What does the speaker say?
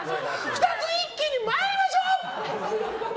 ２つ一気に参りましょう！